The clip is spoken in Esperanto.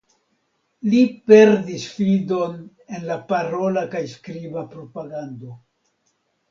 Li perdis fidon en la parola kaj skriba propagando.